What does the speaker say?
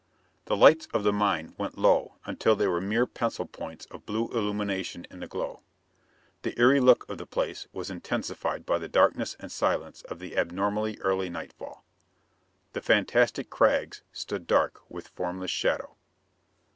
The lights of the mine went low until they were mere pencil points of blue illumination in the gloom. The eery look of the place was intensified by the darkness and silence of the abnormally early nightfall. The fantastic crags stood dark with formless shadow.